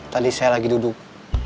tadi saya lagi duduk